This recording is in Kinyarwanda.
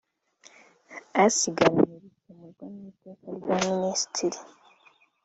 asigaranye bikemerwa n iteka rya minisitiri